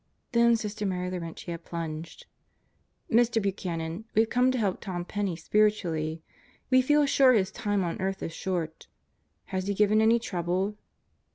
Then Sister Mary Laurentia plunged: "Mr. Buchanan, we've come to help Tom Penney spiritually. We feel sure his time on earth is short. Has he given any trouble?"